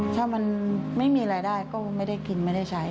ถ้ามันไม่มีรายได้ก็ไม่ได้กินไม่ได้ใช้